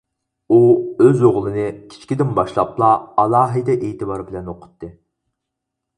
ئۇ ئۆز ئوغلىنى كىچىكىدىن باشلاپلا ئالاھىدە ئېتىبار بىلەن ئوقۇتتى.